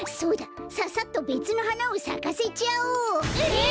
さっさとべつのはなをさかせちゃおう！え！？